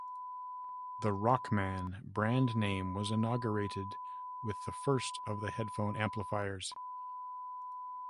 The Rockman brand name was inaugurated with the first of the headphone amplifiers.